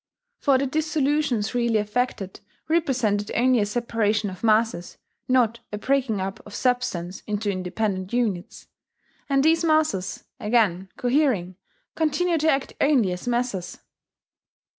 For the dissolutions really effected represented only a separation of masses, not a breaking up of substance into independent units; and these masses, again cohering, continue to act only as masses.